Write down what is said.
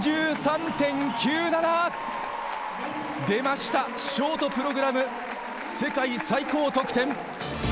出ました、ショートプログラム世界最高得点。